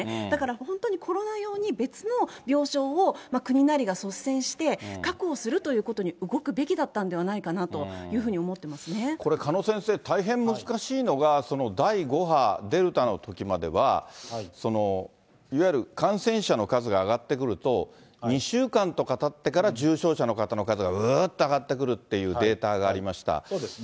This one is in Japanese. だから、本当にコロナ用に別の病床を国なりが率先して、確保するということに動くべきだったんじゃないかなというふうにこれ、鹿野先生、大変難しいのが、第５波、デルタのときまでは、いわゆる感染者の数が上がってくると、２週間とかたってから重症者の方の数がうーって上がってくるというデータがありました。